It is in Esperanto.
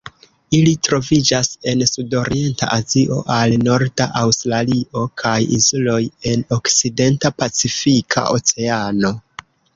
Ili troviĝas el Sudorienta Azio al norda Aŭstralio kaj insuloj en okcidenta Pacifika Oceano.